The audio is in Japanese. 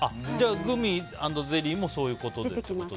グミとゼリーもそういうことなんですね。